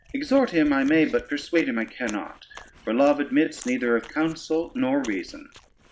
Exhort him I may, but persuade him I cannot; for love admits neither of counsel nor reason.